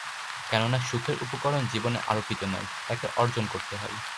কেননা সুখের উপকরণ জীবনে আরোপিত নয়, তাকে অর্জন করতে হয়।